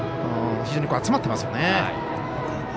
非常に集まってますよね。